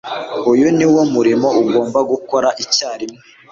Uyu niwo murimo ugomba gukora icyarimwe.